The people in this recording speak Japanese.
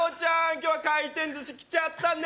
今日は回転寿司来ちゃったね